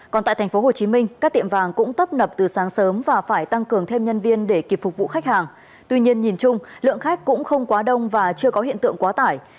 còn tại tp hcm các tiệm vàng cũng tấp nập từ sáng sớm và phải tăng cường thêm nhân viên để kịp phục vụ khách hàng tuy nhiên nhìn chung lượng khách cũng không quá đông và chưa có hiện tượng quá tải